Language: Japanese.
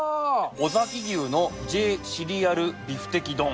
尾崎牛のＪシリアルビフテキ丼。